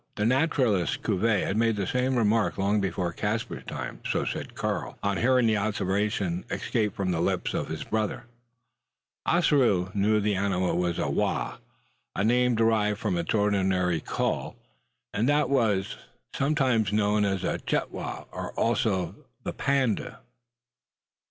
The naturalist Cuvier had made the same remark long before Caspar's time. So said Karl, on hearing the observation escape from the lips of his brother. Ossaroo knew that the animal was the "wha," a name derived from its ordinary call; and that it was sometimes known as the "chetwa," and also the "panda."